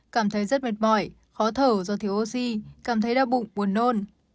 khói rất mệt mỏi khó thở do thiếu oxy cảm thấy đau bụng buồn nôn